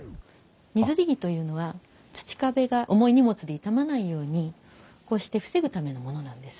荷摺木というのは土壁が重い荷物で傷まないようにこうして防ぐためのものなんです。